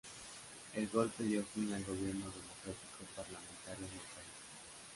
El golpe dio fin al gobierno democrático parlamentario en el país.